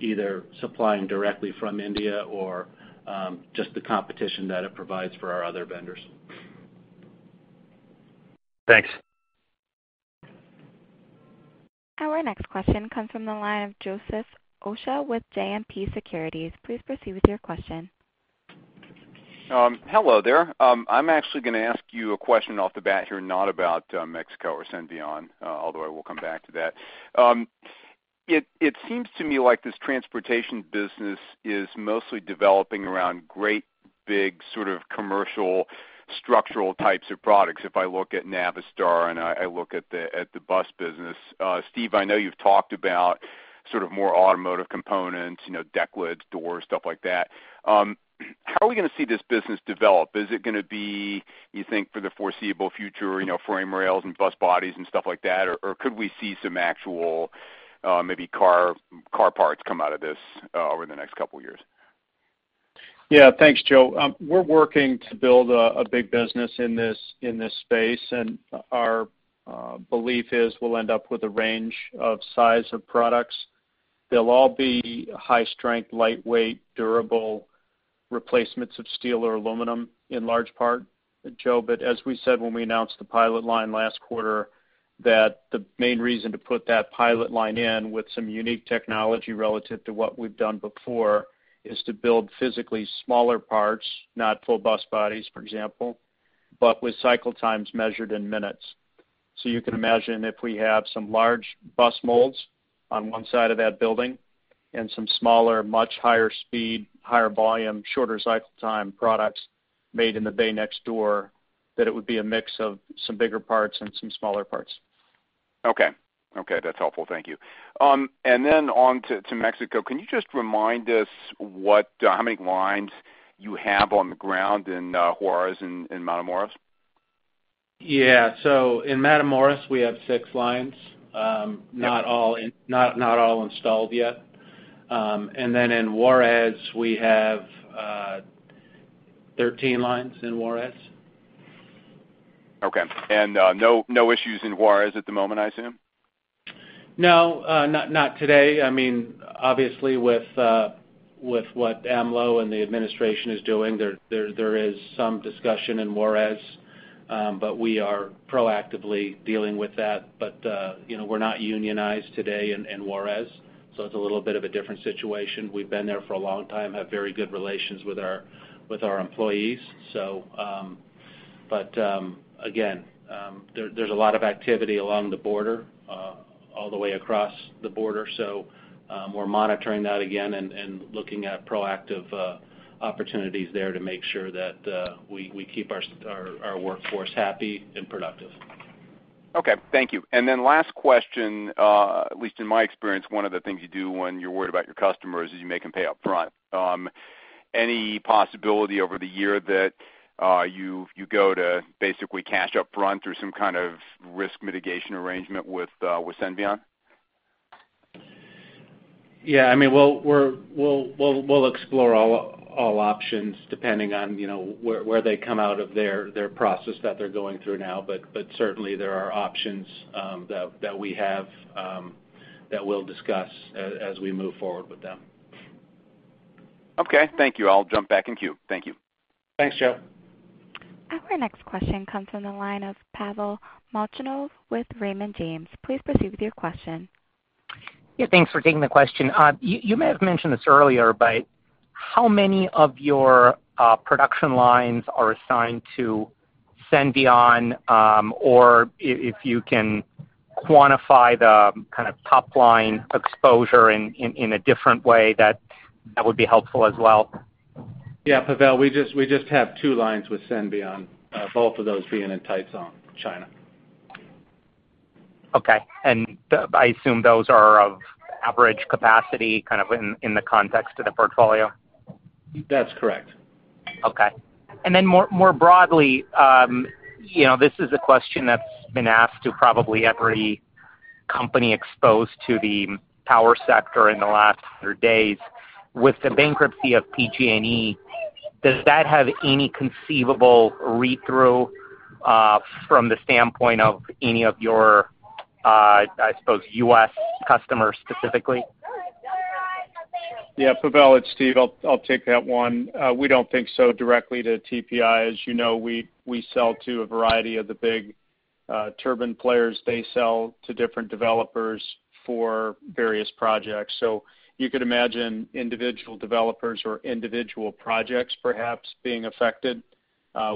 either supplying directly from India or just the competition that it provides for our other vendors. Thanks. Our next question comes from the line of Joseph Osha with JMP Securities. Please proceed with your question. Hello there. I'm actually going to ask you a question off the bat here, not about Mexico or Senvion, although I will come back to that. It seems to me like this transportation business is mostly developing around great big sort of commercial structural types of products. If I look at Navistar and I look at the bus business. Steve, I know you've talked about sort of more automotive components, deck lids, doors, stuff like that. How are we going to see this business develop? Is it going to be, you think, for the foreseeable future, frame rails and bus bodies and stuff like that? Could we see some actual maybe car parts come out of this over the next couple of years? Yeah. Thanks, Joe. We're working to build a big business in this space, and our belief is we'll end up with a range of size of products. They'll all be high strength, lightweight, durable replacements of steel or aluminum in large part, Joe. As we said when we announced the pilot line last quarter, that the main reason to put that pilot line in with some unique technology relative to what we've done before is to build physically smaller parts, not full bus bodies, for example, but with cycle times measured in minutes. You can imagine if we have some large bus molds on one side of that building and some smaller, much higher speed, higher volume, shorter cycle time products made in the bay next door, that it would be a mix of some bigger parts and some smaller parts. Okay. That's helpful. Thank you. On to Mexico, can you just remind us how many lines you have on the ground in Juarez and in Matamoros? In Matamoros, we have six lines, not all installed yet. In Juarez, we have 13 lines in Juarez. Okay. No issues in Juarez at the moment, I assume? No, not today. Obviously, with what AMLO and the administration is doing, there is some discussion in Juarez, but we are proactively dealing with that. We're not unionized today in Juarez, so it's a little bit of a different situation. We've been there for a long time, have very good relations with our employees. Again, there's a lot of activity along the border, all the way across the border. We're monitoring that again and looking at proactive opportunities there to make sure that we keep our workforce happy and productive. Okay. Thank you. Last question, at least in my experience, one of the things you do when you're worried about your customers is you make them pay up front. Any possibility over the year that you go to basically cash up front or some kind of risk mitigation arrangement with Senvion? Yeah, we'll explore all options depending on where they come out of their process that they're going through now. Certainly, there are options that we have that we'll discuss as we move forward with them. Okay. Thank you. I'll jump back in queue. Thank you. Thanks, Joe. Our next question comes from the line of Pavel Molchanov with Raymond James. Please proceed with your question. Yeah, thanks for taking the question. You may have mentioned this earlier, how many of your production lines are assigned to Senvion? Or if you can quantify the kind of top-line exposure in a different way, that would be helpful as well. Yeah, Pavel, we just have two lines with Senvion, both of those being in Taicang, China. Okay. I assume those are of average capacity in the context of the portfolio? That's correct. Okay. More broadly, this is a question that's been asked to probably every company exposed to the power sector in the last 100 days. With the bankruptcy of PG&E, does that have any conceivable read-through from the standpoint of any of your, I suppose, U.S. customers specifically? Yeah, Pavel, it's Steve. I'll take that one. We don't think so directly to TPI. As you know, we sell to a variety of the big turbine players. They sell to different developers for various projects. You could imagine individual developers or individual projects perhaps being affected,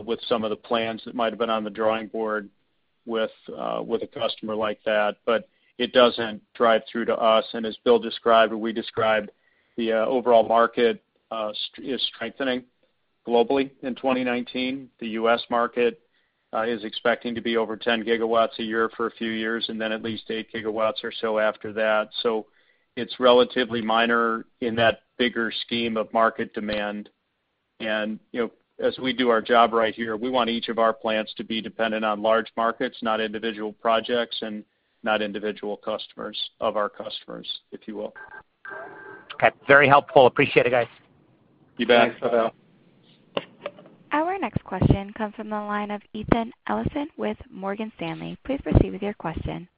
with some of the plans that might have been on the drawing board with a customer like that. It doesn't drive through to us, and as Bill described, or we described, the overall market is strengthening globally in 2019. The U.S. market is expecting to be over 10 GW a year for a few years, and then at least eight gigawatts or so after that. It's relatively minor in that bigger scheme of market demand. As we do our job right here, we want each of our plants to be dependent on large markets, not individual projects, and not individual customers of our customers, if you will. Okay. Very helpful. Appreciate it, guys. You bet. Thanks, Pavel. Our next question comes from the line of Ethan Ellison with Morgan Stanley. Please proceed with your question.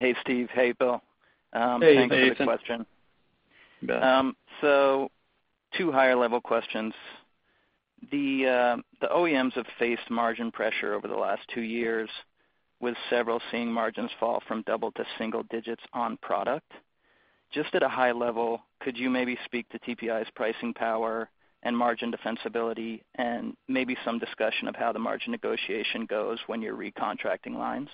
Hey, Steve. Hey, Bill. Hey, Ethan. Hey, Ethan. Two higher-level questions. The OEMs have faced margin pressure over the last two years, with several seeing margins fall from double to single digits on product. Just at a high level, could you maybe speak to TPI's pricing power and margin defensibility and maybe some discussion of how the margin negotiation goes when you're recontracting lines?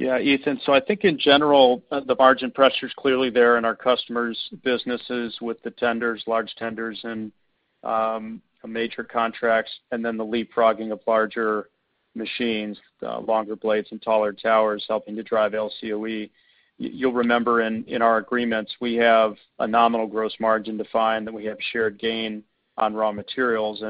Yeah, Ethan. I think in general, the margin pressure's clearly there in our customers' businesses with the tenders, large tenders, and major contracts, then the leapfrogging of larger machines, longer blades and taller towers helping to drive LCOE. You'll remember in our agreements, we have a nominal gross margin defined, and we have shared gain on raw materials.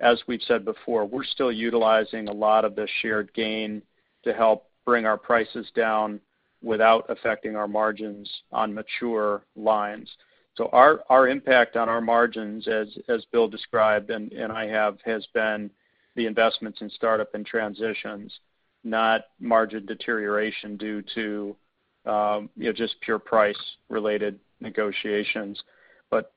As we've said before, we're still utilizing a lot of the shared gain to help bring our prices down without affecting our margins on mature lines. Our impact on our margins, as Bill described and I have, has been the investments in startup and transitions, not margin deterioration due to just pure price-related negotiations.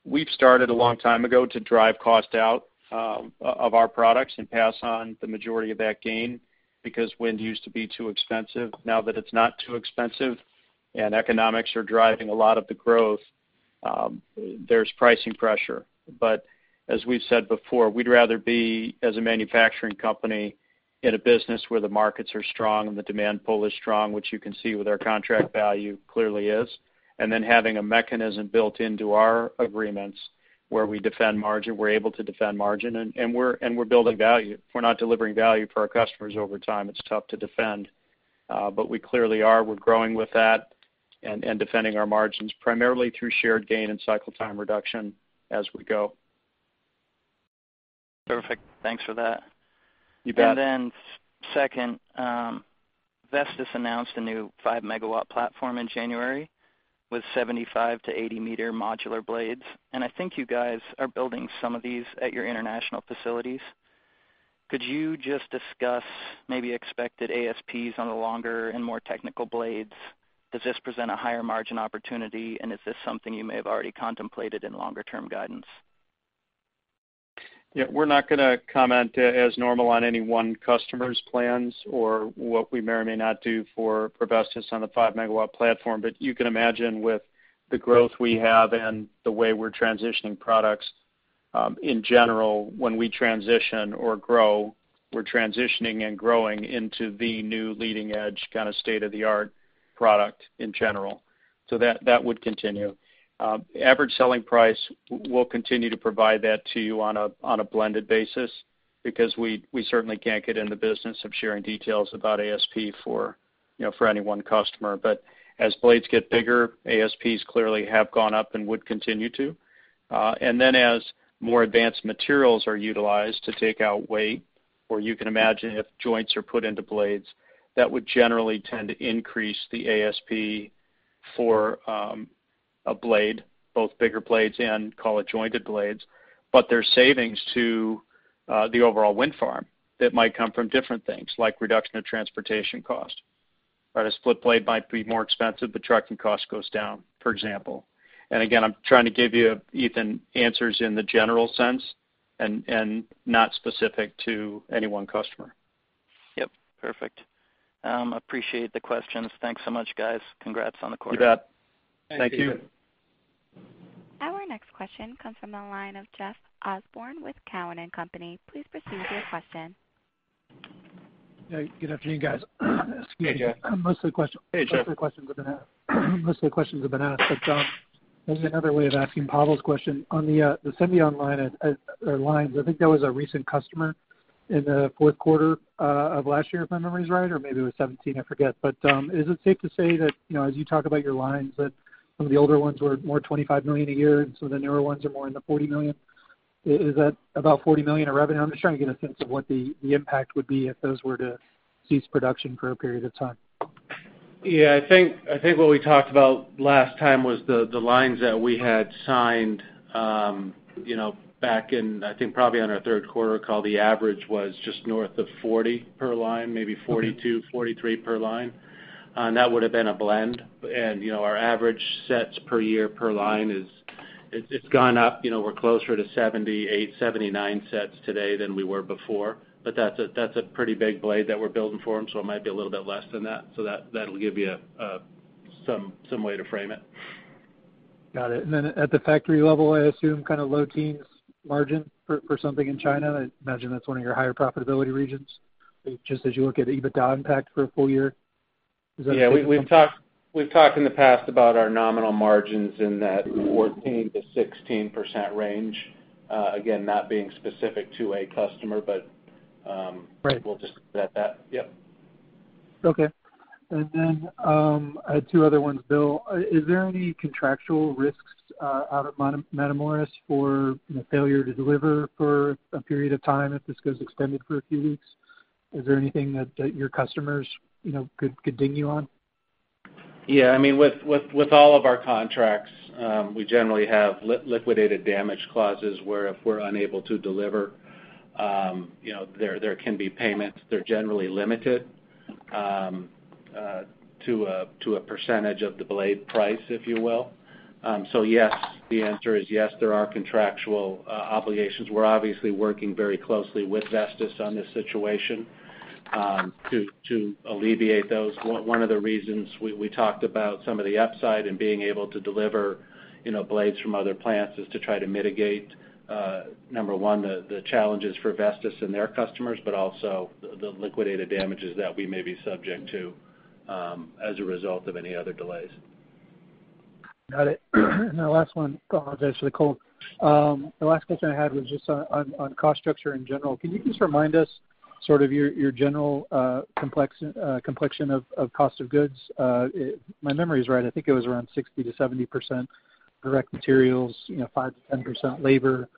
We've started a long time ago to drive cost out of our products and pass on the majority of that gain because wind used to be too expensive. Now that it's not too expensive and economics are driving a lot of the growth, there's pricing pressure. As we've said before, we'd rather be, as a manufacturing company, in a business where the markets are strong and the demand pull is strong, which you can see with our contract value clearly is, and then having a mechanism built into our agreements where we defend margin, we're able to defend margin, and we're building value. If we're not delivering value for our customers over time, it's tough to defend. We clearly are. We're growing with that and defending our margins primarily through shared gain and cycle time reduction as we go. Perfect. Thanks for that. You bet. Second, Vestas announced a new 5 MW platform in January with 75-80-meter modular blades, and I think you guys are building some of these at your international facilities. Could you just discuss maybe expected ASPs on the longer and more technical blades? Does this present a higher margin opportunity, and is this something you may have already contemplated in longer-term guidance? Yeah. We're not going to comment, as normal, on any one customer's plans or what we may or may not do for Vestas on the 5 MW platform. You can imagine with the growth we have and the way we're transitioning products, in general, when we transition or grow, we're transitioning and growing into the new leading-edge kind of state-of-the-art product in general. That would continue. Average selling price, we'll continue to provide that to you on a blended basis because we certainly can't get in the business of sharing details about ASP for any one customer. As blades get bigger, ASPs clearly have gone up and would continue to. As more advanced materials are utilized to take out weight, or you can imagine if joints are put into blades, that would generally tend to increase the ASP for a blade, both bigger blades and call it jointed blades. There's savings to the overall wind farm that might come from different things, like reduction of transportation cost, right? A split blade might be more expensive, the trucking cost goes down, for example. Again, I'm trying to give you, Ethan, answers in the general sense and not specific to any one customer. Yep. Perfect. Appreciate the questions. Thanks so much, guys. Congrats on the quarter. You bet. Thank you. Our next question comes from the line of Jeff Osborne with Cowen and Company. Please proceed with your question. Yeah. Good afternoon, guys. Excuse me. Hey, Jeff. Most of the questions Hey, Jeff. Most of the questions have been asked, as another way of asking Pavel's question, on the semi-online lines, I think there was a recent customer in the fourth quarter of last year, if my memory's right, or maybe it was 2017, I forget. Is it safe to say that, as you talk about your lines, that some of the older ones were more $25 million a year, and some of the newer ones are more in the $40 million? Is that about $40 million of revenue? I'm just trying to get a sense of what the impact would be if those were to cease production for a period of time. Yeah. I think what we talked about last time was the lines that we had signed back in, I think probably on our third quarter call, the average was just north of 40 per line, maybe 42, 43 per line. That would've been a blend. Our average sets per year per line is it's gone up. We're closer to 78, 79 sets today than we were before. That's a pretty big blade that we're building for them, so it might be a little bit less than that. That'll give you some way to frame it. Got it. At the factory level, I assume kind of low teens margin for something in China? I imagine that's one of your higher profitability regions, just as you look at EBITDA impact for a full year. Is that a safe Yeah. We've talked in the past about our nominal margins in that 14%-16% range. Again, not being specific to a customer. Right. We'll just leave it at that. Yep. Okay. I had two other ones, Bill. Is there any contractual risks out of Matamoros for failure to deliver for a period of time if this gets extended for a few weeks? Is there anything that your customers could ding you on? Yeah. With all of our contracts, we generally have liquidated damage clauses where if we're unable to deliver, there can be payments. They're generally limited to a percentage of the blade price, if you will. Yes, the answer is yes, there are contractual obligations. We're obviously working very closely with Vestas on this situation to alleviate those. One of the reasons we talked about some of the upside and being able to deliver blades from other plants is to try to mitigate, number one, the challenges for Vestas and their customers, but also the liquidated damages that we may be subject to as a result of any other delays. Got it. The last one, this is actually called. The last question I had was just on cost structure in general. Can you just remind us your general complexion of cost of goods? If my memory is right, I think it was around 60%-70% direct materials, 5%-10% labor,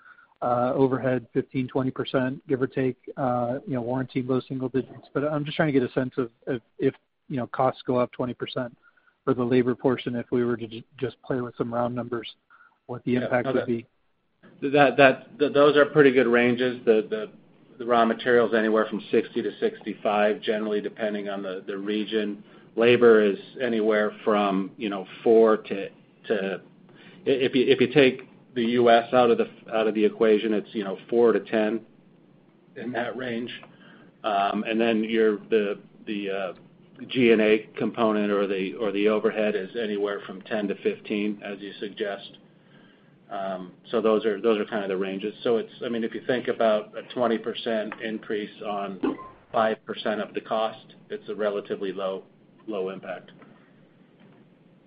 overhead 15%-20%, give or take, warranty low single digits. I'm just trying to get a sense of if costs go up 20% for the labor portion, if we were to just play with some round numbers, what the impact would be. Those are pretty good ranges. The raw materials anywhere from 60%-65%, generally depending on the region. Labor is anywhere from four to-- If you take the U.S. out of the equation, it's 4%-10%, in that range. The G&A component or the overhead is anywhere from 10%-15%, as you suggest. Those are kind of the ranges. If you think about a 20% increase on 5% of the cost, it's a relatively low impact.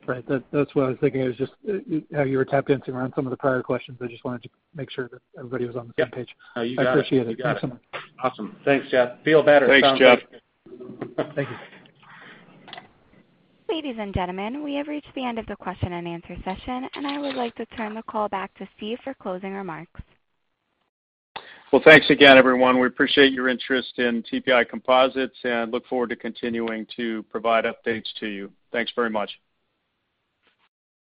Right. That's what I was thinking. It was just how you were tap dancing around some of the prior questions. I just wanted to make sure that everybody was on the same page. Yeah. No, you got it. I appreciate it. You got it. Thanks so much. Awesome. Thanks, Jeff. Feel better. Thanks, Jeff. Thank you. Ladies and gentlemen, we have reached the end of the question and answer session, and I would like to turn the call back to Steve for closing remarks. Well, thanks again, everyone. We appreciate your interest in TPI Composites, and look forward to continuing to provide updates to you. Thanks very much.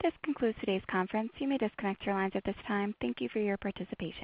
This concludes today's conference. You may disconnect your lines at this time. Thank you for your participation.